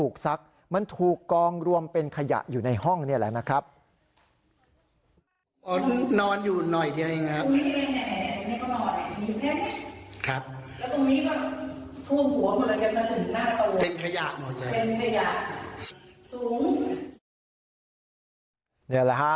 ครับแล้วตรงนี้ว่าทั่วหัวหมดแล้วยังจะถึงหน้าตัวเลยเต็มขยะหมดเลยเต็มขยะนี่แหละฮะ